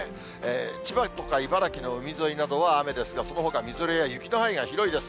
千葉とか茨城の海沿いなどは雨ですが、そのほかみぞれや雪の範囲が広いです。